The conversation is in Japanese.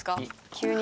急に。